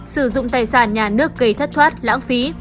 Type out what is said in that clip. sử dụng tài sản nhà nước gây thất thoát lãng phí